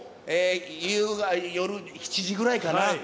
夕方、夜７時ぐらいかな？